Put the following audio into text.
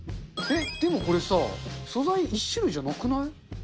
でもこれさ、素材、１種類じゃなくない？